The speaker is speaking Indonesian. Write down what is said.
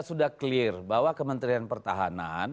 sudah clear bahwa kementerian pertahanan